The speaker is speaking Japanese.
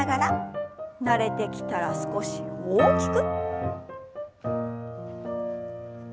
慣れてきたら少し大きく。